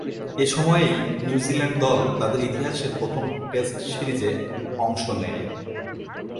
এ সময়েই নিউজিল্যান্ড দল তাদের ইতিহাসের প্রথম টেস্ট সিরিজে অংশ নেয়।